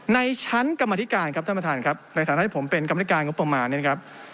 ในชั้นกรรมธิการครับท่านประธานครับในฐานะที่ผมเป็นกรรมนิการงบประมาณเนี่ยนะครับ